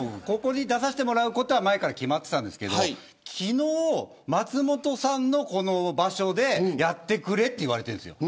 ここに出させてもらうことは前から決まってたんですけど昨日、松本さんのこの場所でやってくれと言われたんです。